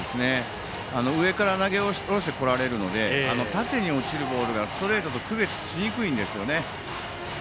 上から投げ下ろして来られるので縦に落ちるボールがストレートと区別しにくいんですよね。